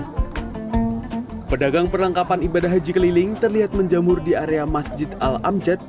hai pedagang perlengkapan ibadah haji keliling terlihat menjamur di area masjid al amjad